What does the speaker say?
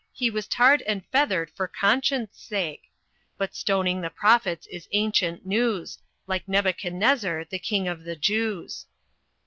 He was tarred and feathered for Conscience Sake; But stoning the prophets is ancient news, Like Nebuchadnezzar the King of the Jews."